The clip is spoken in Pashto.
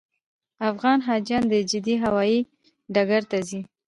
افغان حاجیان د جدې هوایي ډګر ته ځي.